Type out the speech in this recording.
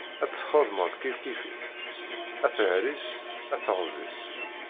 Ad t-txedmeḍ kif kif-it, a tehri-s, a teɣzi-s.